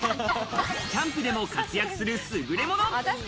キャンプでも活躍するすぐれもの。